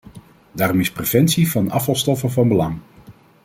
Daarom is preventie van afvalstoffen van belang.